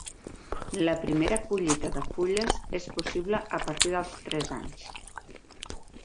La primera collita de fulles és possible a partir dels tres anys.